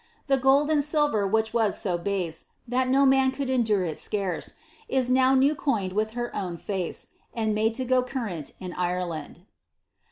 The gold and silver, which was so base That no man could endure it scarce, Is now new coined with her own face, And made to go current in Ireland.'